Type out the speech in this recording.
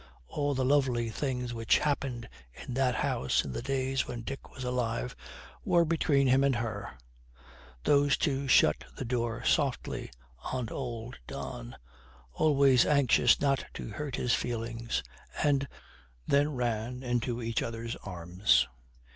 All the lovely things which happened in that house in the days when Dick was alive were between him and her; those two shut the door softly on old Don, always anxious not to hurt his feelings, and then ran into each other's arms.